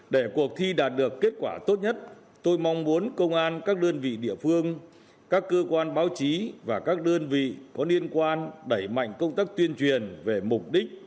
để cuộc thi đạt được kết quả tốt nhất tôi mong muốn công an các đơn vị địa phương các cơ quan báo chí và các đơn vị có liên quan đẩy mạnh công tác tuyên truyền về mục đích